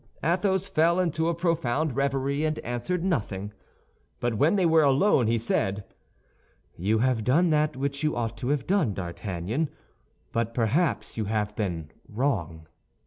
Athos fell into a profound reverie and answered nothing. But when they were alone he said, "You have done that which you ought to have done, D'Artagnan; but perhaps you have been wrong."